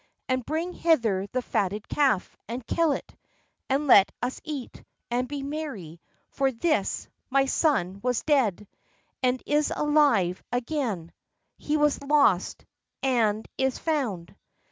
And bring hither the fatted calf, and kill it; and let us eat, and be merry : for this, my son, was dead, and is alive 81 again; he was lost, and is found."